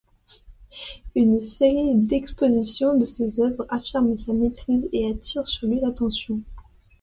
Une série d'expositions de ses œuvres affirment sa maîtrise et attirent sur lui l'attention.